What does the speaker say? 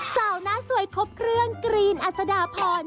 สาวหน้าสวยครบเครื่องกรีนอัศดาพร